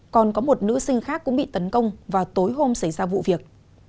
còn có một nữ sinh khác cũng bị tấn công vào tối hôm xảy ra vụ việc